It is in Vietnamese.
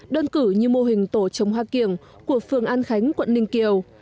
đơn cử như mô hình tổ trồng hoa kiểng của phường an khánh quận ninh kiều